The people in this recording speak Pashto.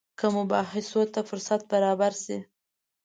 که مباحثو ته فرصت برابر شي.